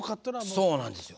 そうなんですよ。